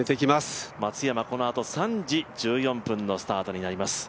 松山、このあと３時１４分のスタートになります。